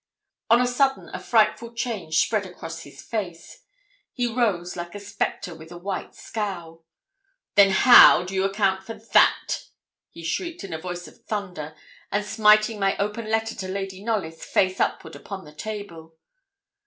On a sudden a frightful change spread across his face. He rose like a spectre with a white scowl. 'Then how do you account for that?' he shrieked in a voice of thunder, and smiting my open letter to Lady Knollys, face upward, upon the table.